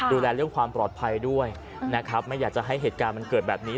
ดูแลเรื่องความปลอดภัยด้วยนะครับไม่อยากจะให้เหตุการณ์มันเกิดแบบนี้